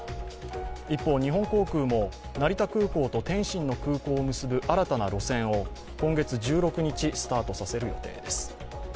一方、日本航空も成田空港と天津の空港を結ぶ新たな路線を、今月１６日スタートさせる予定です。